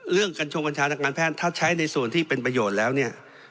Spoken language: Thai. กัญชงกัญชานักการแพทย์ถ้าใช้ในส่วนที่เป็นประโยชน์แล้วเนี่ย